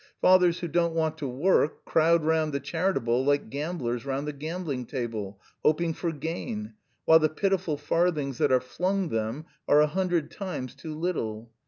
Fathers who don't want to work crowd round the charitable like gamblers round the gambling table, hoping for gain, while the pitiful farthings that are flung them are a hundred times too little.